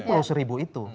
di puluh seribu itu